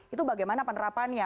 itu bagaimana penerapannya